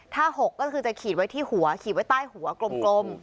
ถ้า๖ก็คือจะขีดไว้ที่หัวขีดไว้ใต้หัวกลม